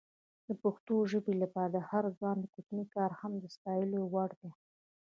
د پښتو ژبې لپاره د هر ځوان کوچنی کار هم د ستایلو وړ ده.